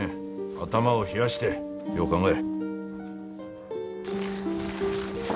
頭を冷やしてよう考ええ。